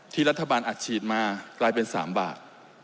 รัฐบาลอัดฉีดมากลายเป็น๓บาท